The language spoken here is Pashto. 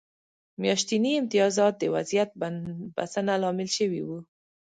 میاشتني امتیازات د وضعیت بسنه لامل شوي وو.